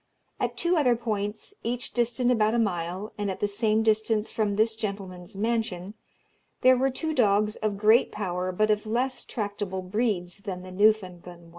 At two other points, each distant about a mile, and at the same distance from this gentleman's mansion, there were two dogs of great power, but of less tractable breeds than the Newfoundland one.